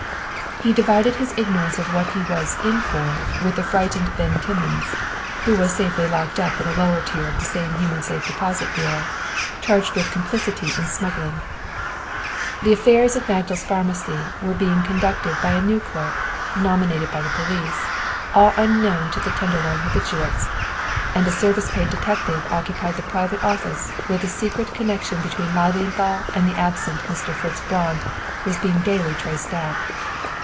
He divided his ignorance of what he was "in for" with the frightened "Ben Timmins," who was safely locked up in a lower tier of the same human safe deposit bureau, charged with "complicity in smuggling." The affairs of Magdal's Pharmacy were being conducted by a new clerk, nominated by the police, all unknown to the Tenderloin habitues, and a service paid detective occupied the private office where the secret connection between Lilienthal and the absent Mr. Fritz Braun was being daily traced out.